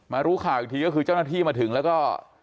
รู้ข่าวอีกทีก็คือเจ้าหน้าที่มาถึงแล้วก็